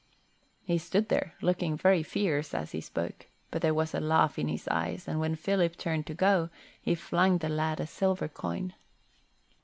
He stood there looking very fierce as he spoke, but there was a laugh in his eyes, and when Phil turned to go, he flung the lad a silver coin.